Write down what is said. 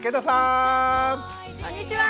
こんにちは！